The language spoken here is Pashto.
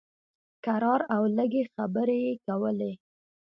کرار او لږې خبرې یې کولې.